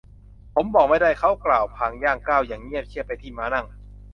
ผมบอกไม่ได้ เขากล่าวพลางย่างก้าวอย่างเงียบเชียบไปที่ม้านั่ง